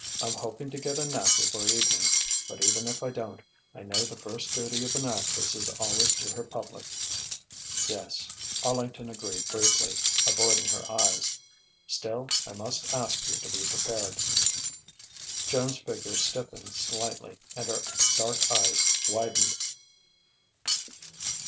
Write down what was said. "I'm hoping to get a nap before evening, but even if I don't, I know the first duty of an actress is always to her public." "Yes," Arlington agreed briefly, avoiding her eyes.... "Still, I must ask you to be prepared." Joan's figure stiffened slightly, and her dark eyes widened.